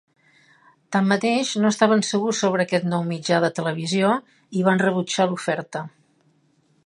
Tanmateix, no estaven segurs sobre aquest nou mitjà de televisió i van rebutjar l'oferta.